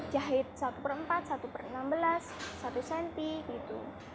jahit satu per empat satu per enam belas satu cm gitu